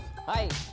はい！